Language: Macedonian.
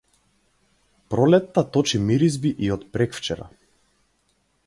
Пролетта точи миризби и од преквчера.